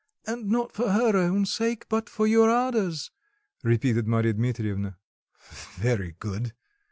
"And not for her own sake, but for your Ada's," repeated Marya Dmitrievna. "Very good.